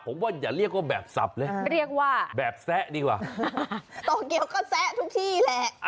ผมว่าอย่าเรียกว่าแบบสับเลยเรียกว่าแบบแซะดีกว่าโตเกียวก็แซะทุกที่แหละ